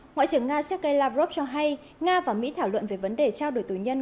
ngoại trưởng nga sergei lavrov cho hay nga và mỹ thảo luận về vấn đề trao đổi tù nhân